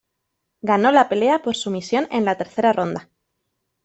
Ganó la pelea por sumisión en la tercera ronda.